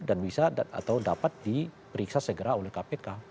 dan bisa atau dapat diperiksa segera oleh kpk